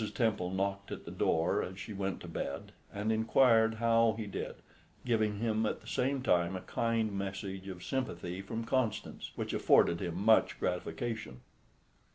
Temple knocked at the door as she went to bed and inquired how he did, giving him at the same time a kind message of sympathy from Constance, which afforded him much gratification.